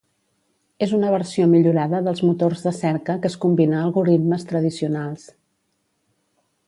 És una versió millorada dels motors de cerca que es combina algoritmes tradicionals.